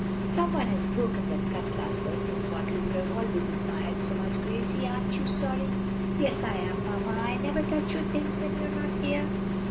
"Some one has broken that cut glass perfume bottle you have always admired so much, Gracie. Aren't you sorry?" "Yes, I am, mamma. I never touch your things when you're not here."